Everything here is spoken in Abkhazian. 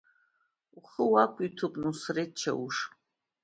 Ухы уақәиҭуп, Нусреҭ Чауш!